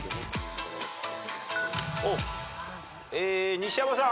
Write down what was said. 西山さん